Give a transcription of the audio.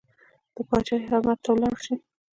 د پاچاهۍ خدمت ته ولاړ شي.